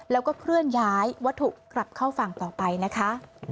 แล้วก็เคลื่อนย้ายวัตถุกลับเข้าฝั่งต่อไปนะคะ